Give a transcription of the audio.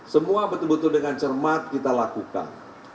semua betul betul dengan cermat kita lakukan